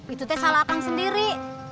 itu teh salah akang sendiri